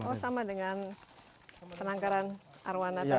oh sama dengan penangkaran arwana tadi